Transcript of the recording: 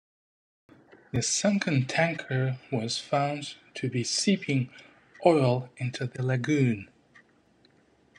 The sunken tanker was found to be seeping oil into the lagoon.